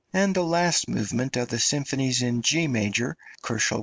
and the last movement of the Symphonies in G major (199 K.)